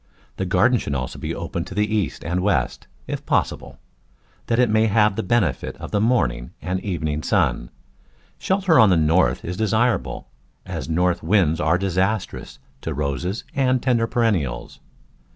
The garden should also be open to the east and west, if pos sible; that it may have the benefit of the morning and evening sun. Shelter on the north is desirable, as north winds are disastrous to Roses and tender perennials.